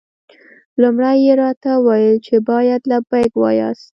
لومړی یې راته وویل چې باید لبیک ووایاست.